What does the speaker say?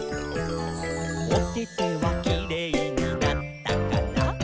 「おててはキレイになったかな？」